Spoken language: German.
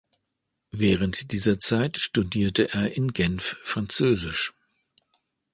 Während dieser Zeit studierte er in Genf Französisch.